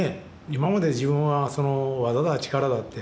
今まで自分は技だ力だって。